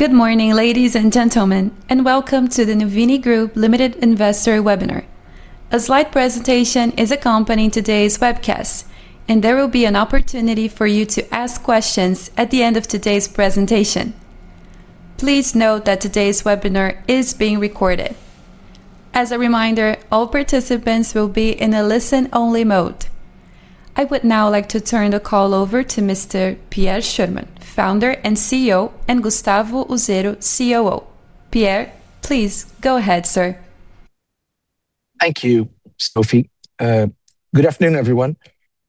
Good morning, ladies and gentlemen, and welcome to the Nvni Group Limited Investor Webinar. A slide presentation is accompanying today's webcast, and there will be an opportunity for you to ask questions at the end of today's presentation. Please note that today's webinar is being recorded. As a reminder, all participants will be in a listen-only mode. I would now like to turn the call over to Mr. Pierre Schurmann, Founder and CEO, and Gustavo Usero, COO. Pierre, please go ahead, sir. Thank you, Sophie. Good afternoon, everyone.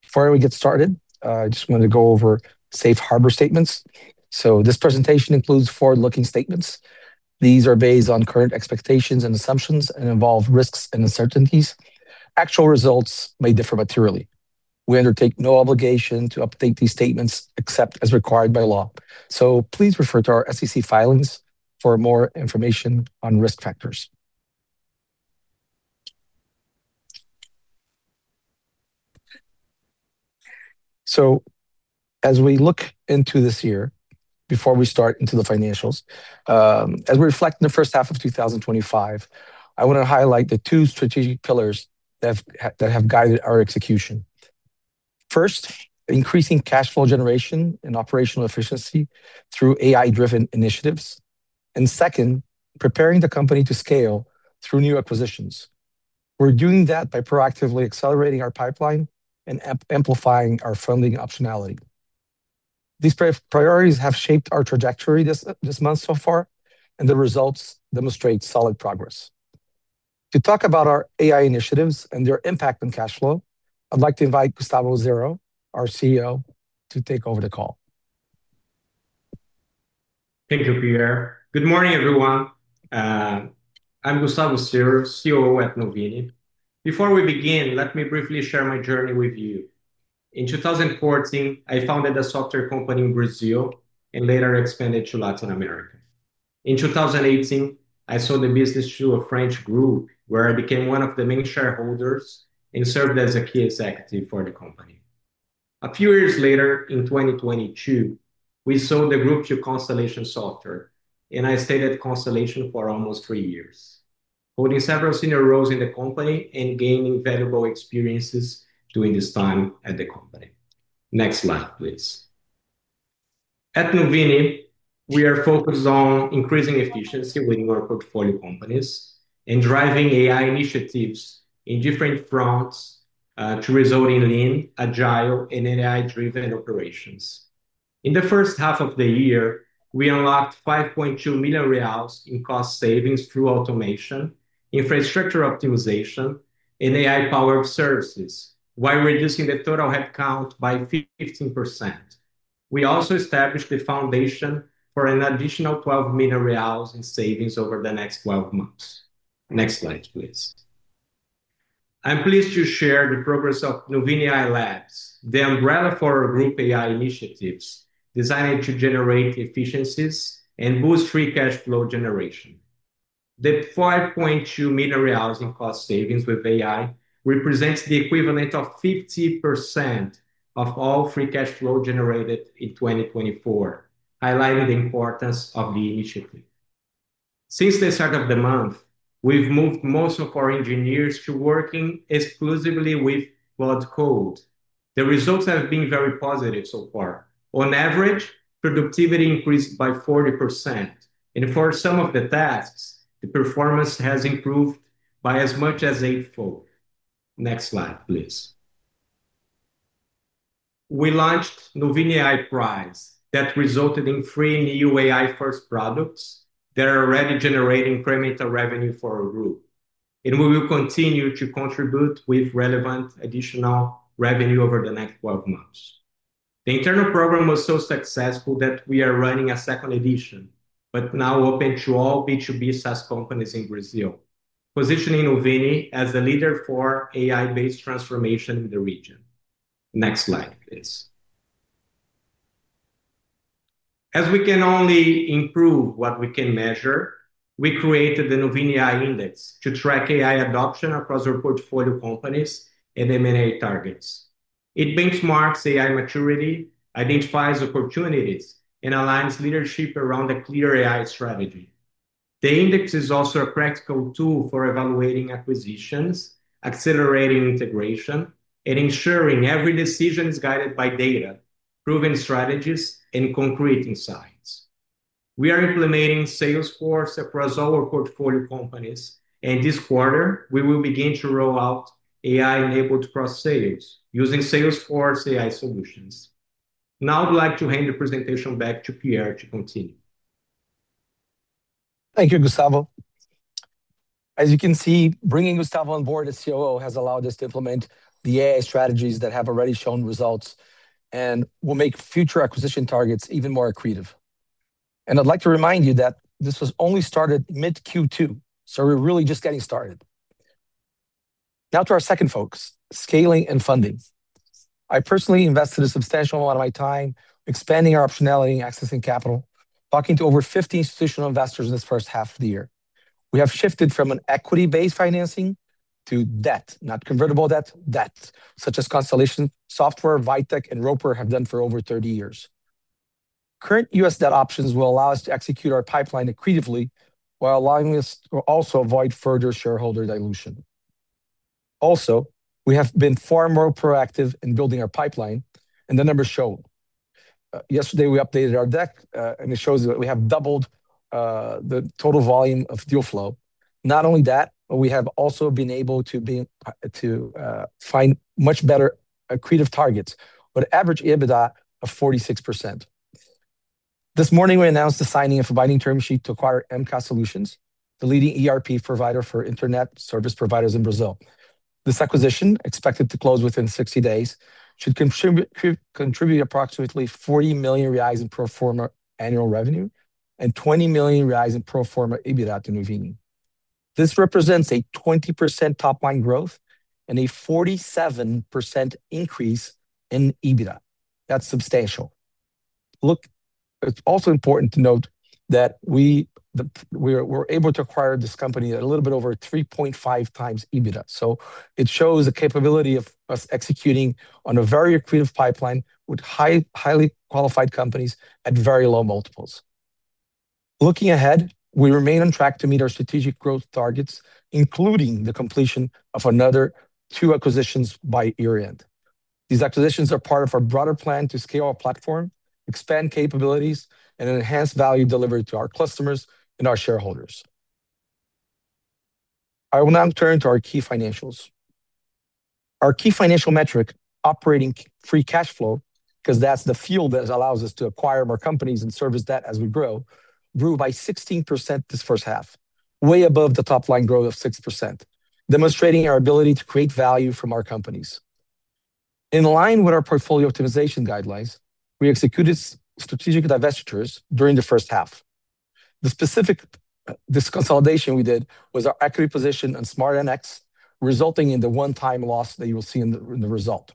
Before we get started, I just wanted to go over safe harbor statements. This presentation includes forward-looking statements. These are based on current expectations and assumptions and involve risks and uncertainties. Actual results may differ materially. We undertake no obligation to update these statements except as required by law. Please refer to our SEC filings for more information on risk factors. As we look into this year, before we start into the financials, as we reflect on the first half of 2025, I want to highlight the two strategic pillars that have guided our execution. First, increasing cash flow generation and operational efficiency through AI-driven initiatives. Second, preparing the company to scale through new acquisitions. We're doing that by proactively accelerating our pipeline and amplifying our funding optionality. These priorities have shaped our trajectory this month so far, and the results demonstrate solid progress. To talk about our AI initiatives and their impact on cash flow, I'd like to invite Gustavo Usero, our COO, to take over the call. Thank you, Pierre. Good morning, everyone. I'm Gustavo Usero, COO at Nvni Group Limited. Before we begin, let me briefly share my journey with you. In 2014, I founded a software company in Brazil and later expanded to Latin America. In 2018, I sold the business through a French group where I became one of the main shareholders and served as a key executive for the company. A few years later, in 2022, we sold the group to Constellation Software, and I stayed at Constellation for almost three years, holding several senior roles in the company and gaining valuable experiences during this time at the company. Next slide, please. At Nvni Group Limited, we are focused on increasing efficiency within our portfolio companies and driving AI initiatives in different fronts to result in lean, agile, and AI-driven operations. In the first half of the year, we unlocked R$5.2 million in cost savings through automation, infrastructure optimization, and AI-powered services, while reducing the total headcount by 15%. We also established the foundation for an additional R$12 million in savings over the next 12 months. Next slide, please. I'm pleased to share the progress of Nvni AI Labs, the umbrella for group AI initiatives designed to generate efficiencies and boost free cash flow generation. The R$5.2 million in cost savings with AI represents the equivalent of 50% of all free cash flow generated in 2024, highlighting the importance of the initiative. Since the start of the month, we've moved most of our engineers to working exclusively with Claude Code. The results have been very positive so far. On average, productivity increased by 40%, and for some of the tasks, the performance has improved by as much as eightfold. Next slide, please. We launched Nvni AI Prize that resulted in three new AI-first products that are already generating incremental revenue for our group, and we will continue to contribute with relevant additional revenue over the next 12 months. The internal program was so successful that we are running a second edition, but now open to all B2B SaaS companies in Brazil, positioning Nvni Group Limited as a leader for AI-based transformation in the region. Next slide, please. As we can only improve what we can measure, we created the Nvni AI Index to track AI adoption across our portfolio companies and M&A targets. It benchmarks AI maturity, identifies opportunities, and aligns leadership around a clear AI strategy. The index is also a practical tool for evaluating acquisitions, accelerating integration, and ensuring every decision is guided by data, proven strategies, and concrete insights. We are implementing Salesforce across all our portfolio companies, and this quarter, we will begin to roll out AI-enabled cross-selling using Salesforce AI solutions. Now, I'd like to hand the presentation back to Pierre to continue. Thank you, Gustavo. As you can see, bringing Gustavo on board as COO has allowed us to implement the AI strategies that have already shown results and will make future acquisition targets even more accretive. I'd like to remind you that this was only started mid-Q2, so we're really just getting started. Now to our second focus, scaling and funding. I personally invested a substantial amount of my time expanding our optionality and accessing capital, talking to over 50 institutional investors in this first half of the year. We have shifted from an equity-based financing to debt, not convertible debt, debt, such as Constellation Software, Vitech, and Roper have done for over 30 years. Current U.S. debt options will allow us to execute our pipeline accretively while allowing us to also avoid further shareholder dilution. Also, we have been far more proactive in building our pipeline, and the numbers show. Yesterday, we updated our deck, and it shows that we have doubled the total volume of deal flow. Not only that, but we have also been able to find much better accretive targets with an average EBITDA of 46%. This morning, we announced the signing of a binding term sheet to acquire MCA Solutions, the leading ERP provider for internet service providers in Brazil. This acquisition, expected to close within 60 days, should contribute approximately R$40 million in pro forma annual revenue and R$20 million in pro forma EBITDA to Nvni Group Limited. This represents a 20% top line growth and a 47% increase in EBITDA. That's substantial. It's also important to note that we were able to acquire this company at a little bit over 3.5 times EBITDA. It shows the capability of us executing on a very accretive pipeline with highly qualified companies at very low multiples. Looking ahead, we remain on track to meet our strategic growth targets, including the completion of another two acquisitions by year-end. These acquisitions are part of our broader plan to scale our platform, expand capabilities, and enhance value delivery to our customers and our shareholders. I will now turn to our key financials. Our key financial metric, operating free cash flow, because that's the field that allows us to acquire more companies and service that as we grow, grew by 16% this first half, way above the top line growth of 6%, demonstrating our ability to create value from our companies. In line with our portfolio optimization guidelines, we executed strategic divestitures during the first half. The specific consolidation we did was our equity position on SmartNX, resulting in the one-time loss that you will see in the result.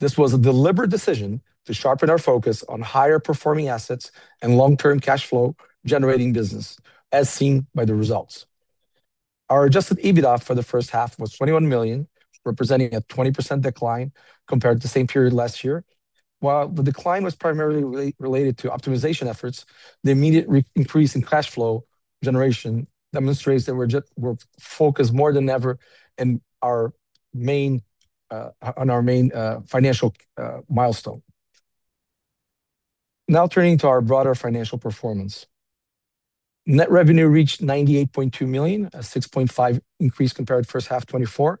This was a deliberate decision to sharpen our focus on higher performing assets and long-term cash flow generating business, as seen by the results. Our adjusted EBITDA for the first half was $21 million, representing a 20% decline compared to the same period last year. While the decline was primarily related to optimization efforts, the immediate increase in cash flow generation demonstrates that we're focused more than ever on our main financial milestone. Now turning to our broader financial performance. Net revenue reached $98.2 million, a 6.5% increase compared to the first half of 2024.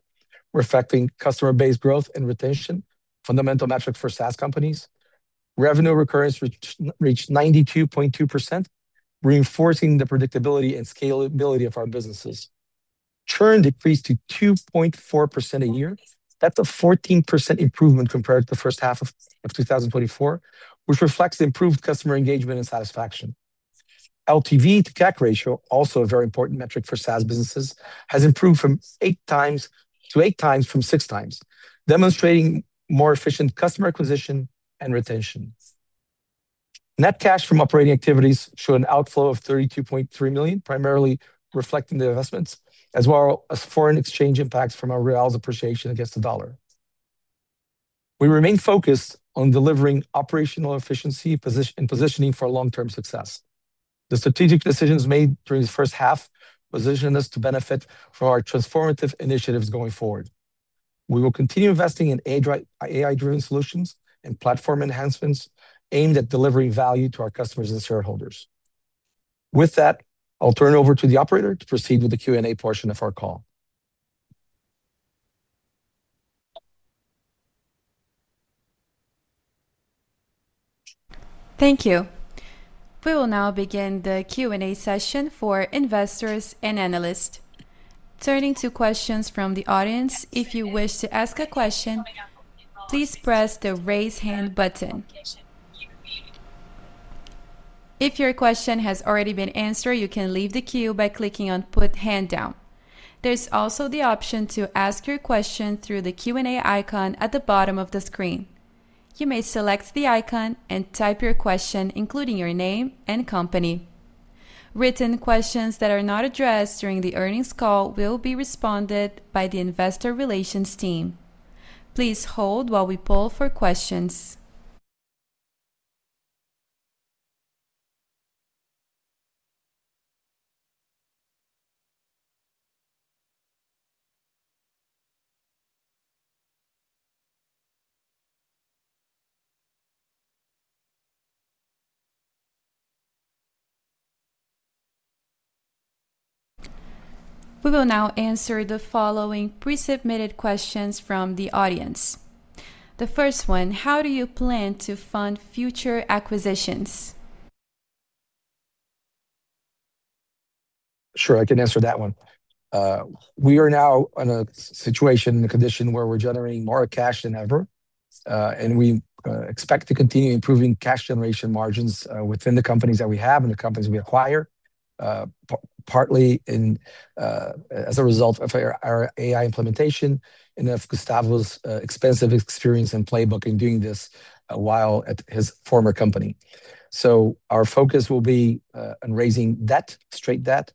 We're affecting customer base growth and retention, fundamental metrics for SaaS companies. Revenue recurrence reached 92.2%, reinforcing the predictability and scalability of our businesses. Churn decreased to 2.4% a year. That's a 14% improvement compared to the first half of 2024, which reflects improved customer engagement and satisfaction. LTV/CAC ratio, also a very important metric for SaaS businesses, has improved to eight times from six times, demonstrating more efficient customer acquisition and retention. Net cash from operating activities showed an outflow of $32.3 million, primarily reflecting the investments, as well as foreign exchange impacts from our reals appreciation against the dollar. We remain focused on delivering operational efficiency and positioning for long-term success. The strategic decisions made during the first half positioned us to benefit from our transformative initiatives going forward. We will continue investing in AI-driven solutions and platform enhancements aimed at delivering value to our customers and shareholders. With that, I'll turn it over to the operator to proceed with the Q&A portion of our call. Thank you. We will now begin the Q&A session for investors and analysts. Turning to questions from the audience, if you wish to ask a question, please press the raise hand button. If your question has already been answered, you can leave the queue by clicking on put hand down. There's also the option to ask your question through the Q&A icon at the bottom of the screen. You may select the icon and type your question, including your name and company. Written questions that are not addressed during the earnings call will be responded by the investor relations team. Please hold while we poll for questions. We will now answer the following pre-submitted questions from the audience. The first one, how do you plan to fund future acquisitions? Sure, I can answer that one. We are now in a situation, in a condition where we're generating more cash than ever, and we expect to continue improving cash generation margins within the companies that we have and the companies we acquire, partly as a result of our AI implementation and of Gustavo's extensive experience and playbook in doing this while at his former company. Our focus will be on raising debt, straight debt.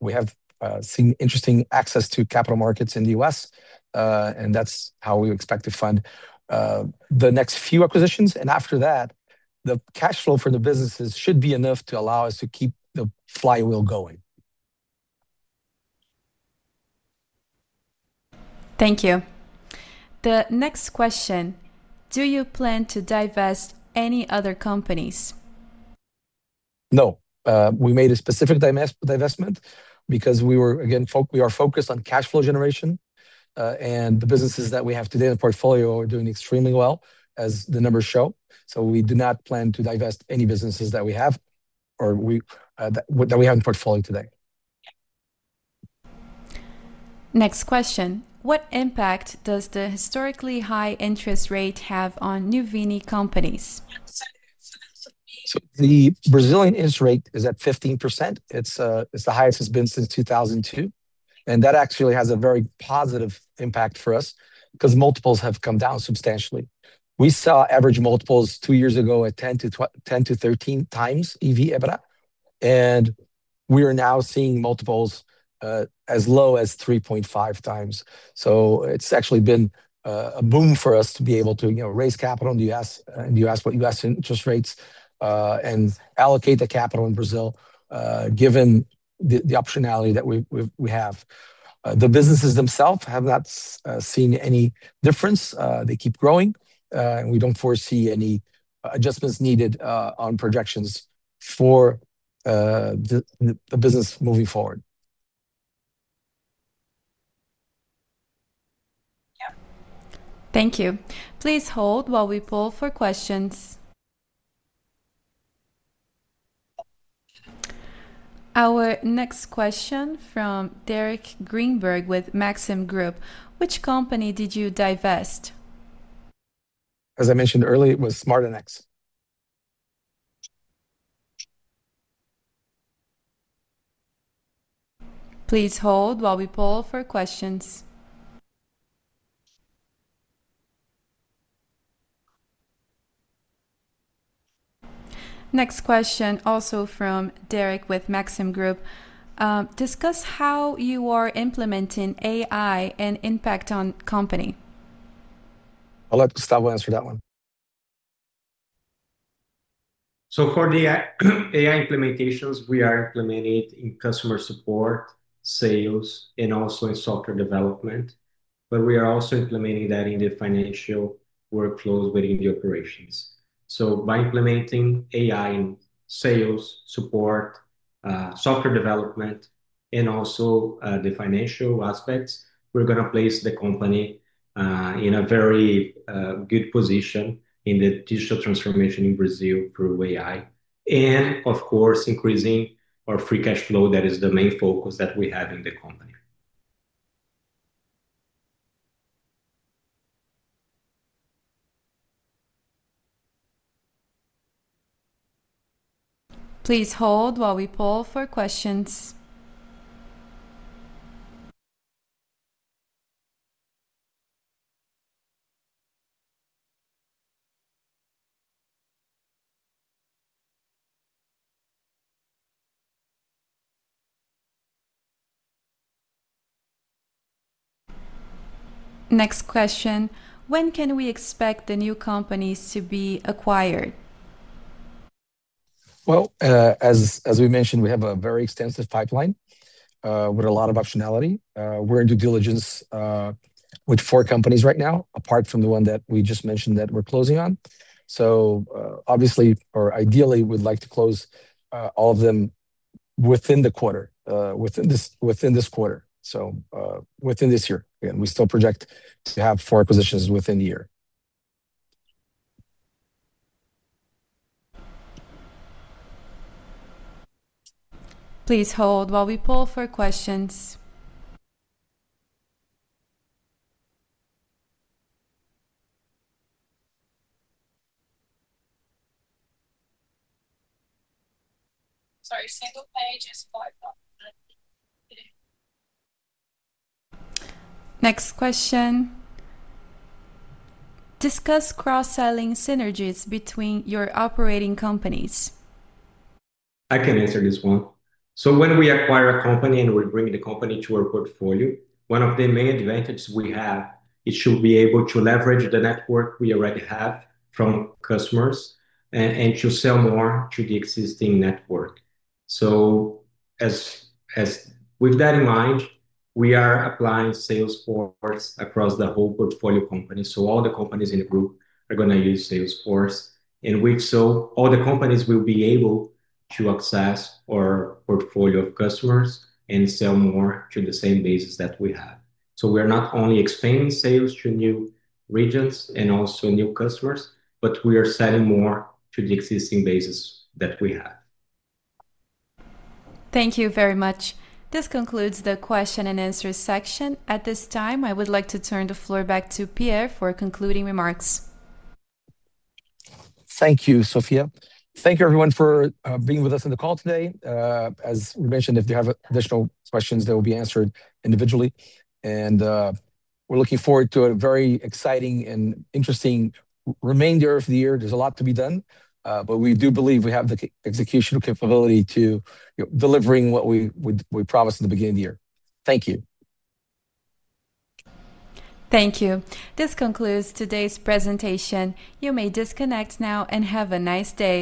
We have seen interesting access to capital markets in the U.S., and that's how we expect to fund the next few acquisitions. After that, the cash flow for the businesses should be enough to allow us to keep the flywheel going. Thank you. The next question, do you plan to divest any other companies? No. We made a specific divestment because we are, again, we are focused on cash flow generation, and the businesses that we have today in the portfolio are doing extremely well, as the numbers show. We do not plan to divest any businesses that we have or that we have in the portfolio today. Next question, what impact does the historically high interest rate have on Nvni companies? The Brazilian interest rate is at 15%. It's the highest it's been since 2002, and that actually has a very positive impact for us because multiples have come down substantially. We saw average multiples two years ago at 10-13 times EV/EBITDA, and we are now seeing multiples as low as 3.5 times. It's actually been a boom for us to be able to raise capital in the U.S., U.S. interest rates, and allocate the capital in Brazil, given the optionality that we have. The businesses themselves have not seen any difference. They keep growing, and we don't foresee any adjustments needed on projections for the business moving forward. Thank you. Please hold while we poll for questions. Our next question from Derek Greenberg with Maxim Group, which company did you divest? As I mentioned earlier, it was SmartNX. Please hold while we poll for questions. Next question, also from Derek with Maxim Group, discuss how you are implementing AI and impact on the company. I'll let Gustavo answer that one. For the AI implementations, we are implementing it in customer support, sales, and also in software development, but we are also implementing that in the financial workflows within the operations. By implementing AI in sales, support, software development, and also the financial aspects, we're going to place the company in a very good position in the digital transformation in Brazil through AI, and of course, increasing our free cash flow. That is the main focus that we have in the company. Please hold while we poll for questions. Next question, when can we expect the new companies to be acquired? As we mentioned, we have a very extensive pipeline with a lot of optionality. We're in due diligence with four companies right now, apart from the one that we just mentioned that we're closing on. Obviously, or ideally, we'd like to close all of them within the quarter, within this quarter, so within this year. We still project to have four acquisitions within the year. Please hold while we poll for questions. Next question, discuss cross-selling synergies between your operating companies. I can answer this one. When we acquire a company and we're bringing the company to our portfolio, one of the main advantages we have is to be able to leverage the network we already have from customers and to sell more to the existing network. With that in mind, we are applying Salesforce across the whole portfolio company. All the companies in the group are going to use Salesforce, and with so, all the companies will be able to access our portfolio of customers and sell more to the same basis that we have. We are not only expanding sales to new regions and also new customers, but we are selling more to the existing basis that we have. Thank you very much. This concludes the question and answer section. At this time, I would like to turn the floor back to Pierre for concluding remarks. Thank you, Sophie. Thank you, everyone, for being with us on the call today. As we mentioned, if you have additional questions, they will be answered individually. We're looking forward to a very exciting and interesting remainder of the year. There's a lot to be done, but we do believe we have the execution capability to deliver what we promised at the beginning of the year. Thank you. Thank you. This concludes today's presentation. You may disconnect now and have a nice day.